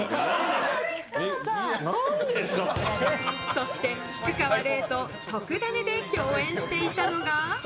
そして、菊川怜と「とくダネ！」で共演していたのが。